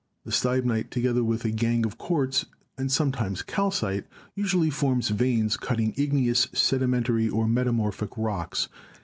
The stibnite, together with a gangue of quartz, and sometimes calcite, usually forms veins cutting igneous, sedimentary, or meta morphic rocks.